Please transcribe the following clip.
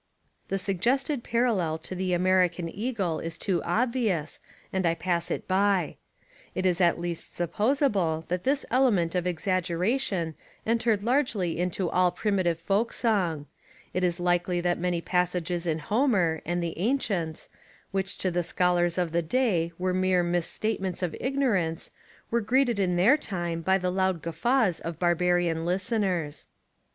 The suggested parallel to the American eagle is too obvious, and I pass It by. It Is at least supposable that this element of exaggeration entered largely Into all primi tive folk song: It is likely that many passages in Homer, and the Ancients, which to the schol 127 Essays and Literary Studies ars of the day are mere mis statements of Igno rance were greeted in their time by the loud guf faws of barbarian listeners.